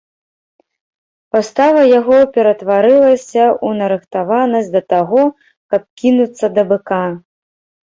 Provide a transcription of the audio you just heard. Пастава яго ператварылася ў нарыхтаванасць да таго, каб кінуцца на быка.